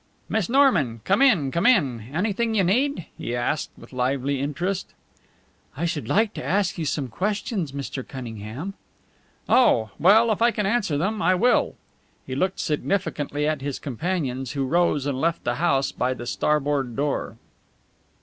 "Miss Norman? Come in, come in! Anything you need?" he asked with lively interest. "I should like to ask you some questions, Mr. Cunningham." "Oh! Well, if I can answer them, I will." He looked significantly at his companions, who rose and left the house by the starboard door.